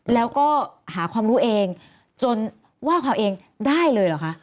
แล้วก็หาความรู้เองจนว่าความเองได้เลยเหรอคะ